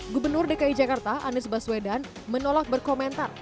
gubernur dki jakarta anies baswedan menolak berkomentar